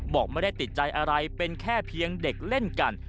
บอกไม่ได้ติดใจอะไรเป็นแค่เพียงเด็กเล่นกัน